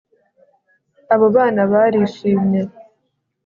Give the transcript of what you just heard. abo bana barishimye